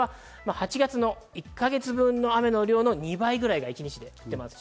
８月の１か月分の雨の量の２倍くらいが一日で降っています。